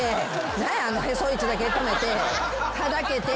何やあのへそいちだけ留めてはだけて。